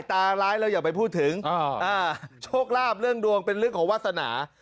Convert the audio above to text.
ตาร้ายเราอย่าไปพูดถึงโชคลาภเรื่องดวงเป็นเรื่องของวาสนา